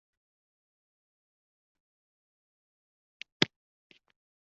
Endi… Ora-sira boʼp turadi.